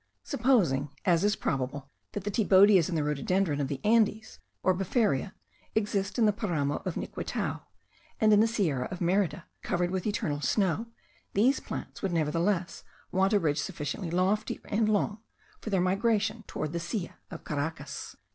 Supposing, as is probable, that the thibaudias and the rhododendron of the Andes, or befaria, exist in the paramo of Niquitao and in the Sierra de Merida, covered with eternal snow, these plants would nevertheless want a ridge sufficiently lofty and long for their migration towards the Silla of Caracas.